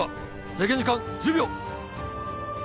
制限時間１０秒